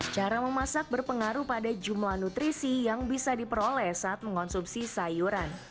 cara memasak berpengaruh pada jumlah nutrisi yang bisa diperoleh saat mengonsumsi sayuran